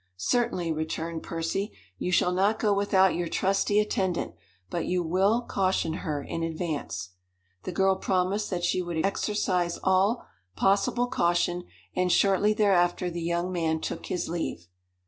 "Certainly," returned Percy. "You shall not go without your trusty attendant. But you will caution her in advance." The girl promised that she would exercise all possible caution, and shortly thereafter the young man took his leave.